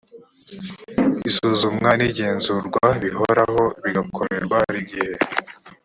isuzumwa n’igenzurwa bihoraho bigakorerwa igihe